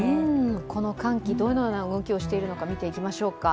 この寒気、どのような動きをしているのか見ていきましょうか。